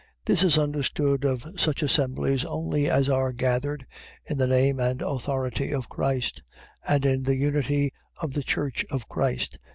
. .This is understood of such assemblies only as are gathered in the name and authority of Christ; and in unity of the church of Christ.